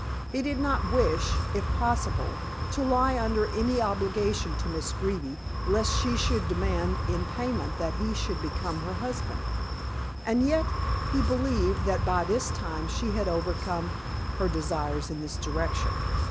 He did not wish, if possible, to lie under any obligation to Miss Greeby lest she should demand in payment that he should become her husband. And yet he believed that by this time she had overcome her desires in this direction.